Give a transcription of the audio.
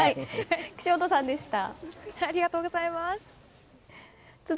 岸本さんでした。